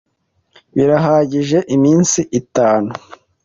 Birahagije iminsi itanu.